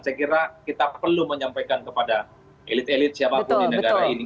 saya kira kita perlu menyampaikan kepada elit elit siapapun di negara ini